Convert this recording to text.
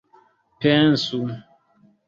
pensu